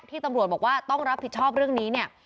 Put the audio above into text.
ตำรวจบอกว่าต้องรับผิดชอบเรื่องนี้เนี่ย